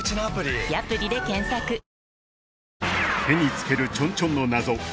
「へ」につけるチョンチョンの謎